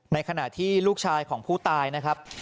ในขณะที่ลูกชายของผู้ตายนะครับ